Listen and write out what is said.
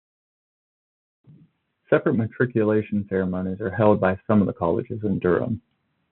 Separate matriculation ceremonies are held by some of the colleges in Durham.